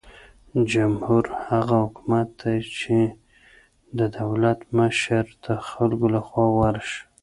جمهور هغه حکومت دی چې د دولت مشره د خلکو لخوا غوره شي.